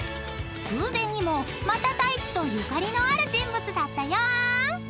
［偶然にもまた太一とゆかりのある人物だったよ］